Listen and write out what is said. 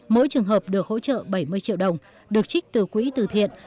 mỗi trường hợp được hỗ trợ bảy mươi triệu đồng được trích từ quỹ tử thiện